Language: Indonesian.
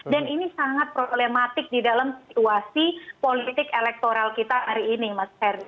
dan ini sangat problematik di dalam situasi politik elektoral kita hari ini mas fedy